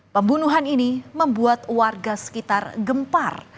pembunuhan ini membuat warga sekitar gempar